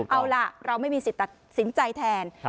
เอาล่ะเราไม่มีสิทธิ์ตัดสินใจแทน